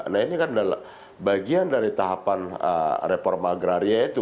nah ini kan bagian dari tahapan reforma agraria itu